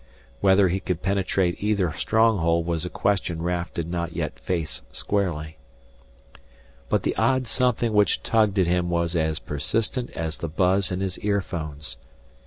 Whether he could penetrate either stronghold was a question Raf did not yet face squarely. But the odd something which tugged at him was as persistent as the buzz in his earphones.